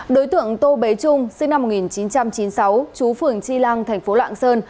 đối tượng tô bế trung sinh năm một nghìn chín trăm chín mươi sáu chú phường tri lăng thành phố lạng sơn